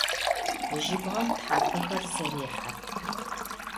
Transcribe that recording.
Jıbğem thapexer zêrêhe.